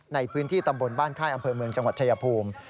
ในพื้นที่ตำบลบ้านค่ายอำเภอเมืองจังหวัดชายภูมิ